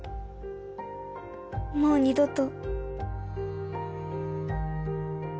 もう二どと。